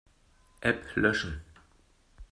App löschen.